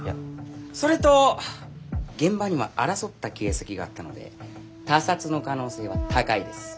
それと現場には争った形跡があったので他殺の可能性は高いです。